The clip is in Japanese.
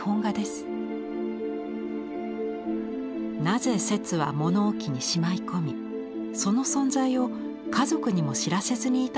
なぜ摂は物置にしまい込みその存在を家族にも知らせずにいたのでしょうか。